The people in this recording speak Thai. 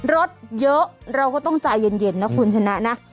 รถเยอะเราก็ต้องใจเย็นนะคุณชนะนะ